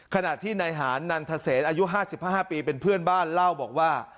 ขณะที่นายหานนันทเศษอายุ๕๕ปีเป็นเพื่อนบ้านเล่าบอกว่า